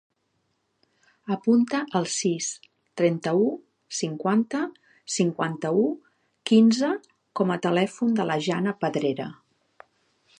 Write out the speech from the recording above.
Apunta el sis, trenta-u, cinquanta, cinquanta-u, quinze com a telèfon de la Jana Pedrera.